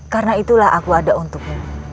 karena itulah aku ada untukmu